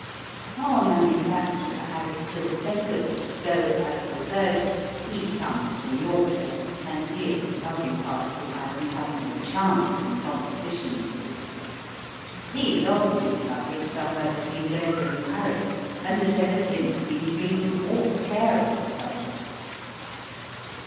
Our Manufacturer had a still better way, though, as was urged, he comes from Yorkshire, and we of the southern part of the island have no chance in competition with the race. He lost his luggage somewhere between Dover and Paris, and has ever since been free from all care on the subject.